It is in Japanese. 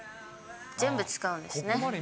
全部使うんですね。